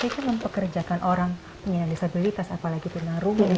saya kan mempekerjakan orang yang disabilitas apalagi tunarungu